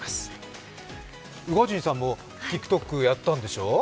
宇賀神さんもＴｉｋＴｏｋやったんでしょう？